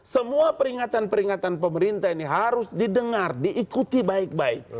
semua peringatan peringatan pemerintah ini harus didengar diikuti baik baik